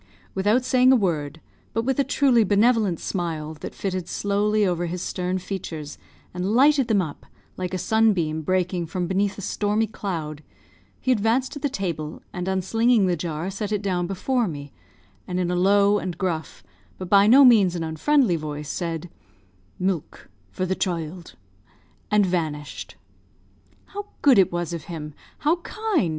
Without saying a word, but with a truly benevolent smile, that flitted slowly over his stern features, and lighted them up, like a sunbeam breaking from beneath a stormy cloud, he advanced to the table, and unslinging the jar, set it down before me, and in a low and gruff, but by no means an unfriendly voice, said, "Milk, for the child," and vanished. "How good it was of him! How kind!"